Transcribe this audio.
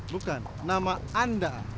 bukan nama anda